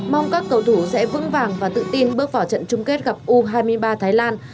mong các cầu thủ sẽ vững vàng và tự tin bước vào trận chung kết gặp u hai mươi ba thái lan